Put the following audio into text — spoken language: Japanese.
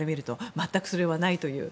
全く、それはないという。